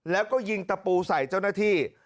แล้วก็ยิงตะปูใส่เจ้าหน้าที่